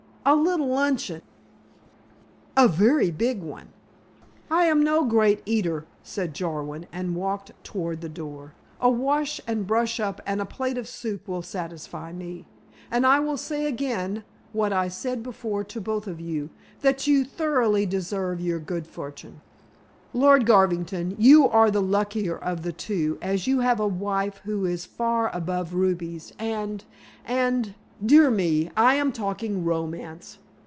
A little luncheon " "A very big one." "I am no great eater," said Jarwin, and walked toward the door, "a wash and brush up and a plate of soup will satisfy me. And I will say again what I said before to both of you, that you thoroughly deserve your good fortune. Lord Garvington, you are the luckier of the two, as you have a wife who is far above rubies, and and dear me, I am talking romance.